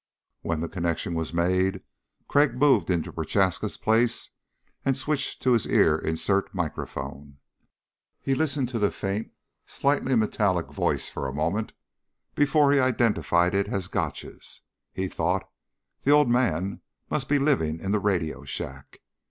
When the connection was made, Crag moved into Prochaska's place and switched to his ear insert microphone. He listened to the faint slightly metallic voice for a moment before he identified it as Gotch's. He thought: _The Old Man must be living in the radio shack.